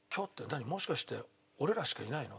もしかして俺らしかいないの？